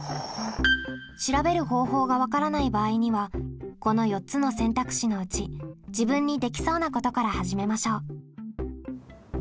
調べる方法が分からない場合にはこの４つの選択肢のうち自分にできそうなことから始めましょう。